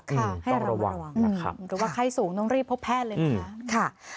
ค่ะต้องระวังนะครับค่ะค่ะค่ะค่ะหรือว่าใครสูงต้องรีบพบแพทย์เลยนะคะ